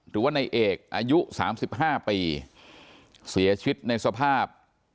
หรือว่าในเอกอายุสามสิบห้าปีเสียชีวิตในสภาพ